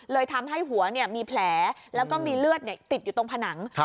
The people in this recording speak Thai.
เลยทำให้หัวมีแผลแล้วก็มีเลือดติดอยู่ตรงผนัง